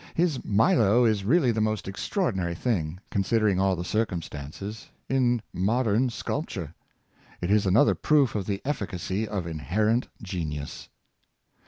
His ' Milo ' is really the most extra ordinary thing, considering all the circumstances, in modern sculpture. It is another proof of the efficacy of inherent genius."